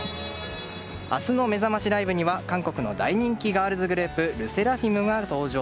明日のめざましライブには韓国の大人気ガールズグループＬＥＳＳＥＲＡＦＩＭが登場。